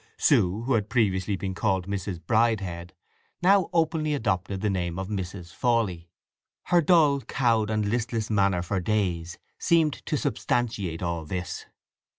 Sue, who had previously been called Mrs. Bridehead now openly adopted the name of Mrs. Fawley. Her dull, cowed, and listless manner for days seemed to substantiate all this.